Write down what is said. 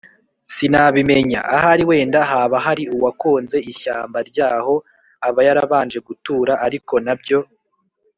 sinabimenya! ahari wenda haba hari uwakonze ishyamba ryaho aba yarabanje gutura, ariko na byo